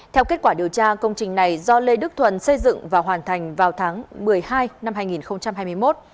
theo kết quả điều tra công trình này do lê đức thuần xây dựng và hoàn thành vào tháng một mươi hai năm hai nghìn hai mươi một